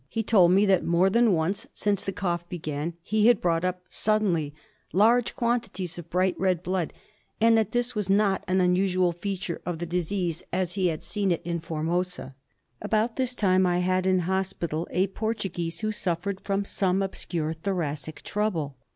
He told me that more than once since the cough began he had brought up suddenly^ large quantities of bright red blood, and that this was not an unusual feature of the disease as he had seen it in Formosa. ENDEMIC HEMOPTYSIS. 45 About this time I had in hospital a Portuguese who suffered from some obscure thoracic trouble.